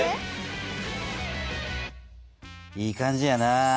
いい感じやな。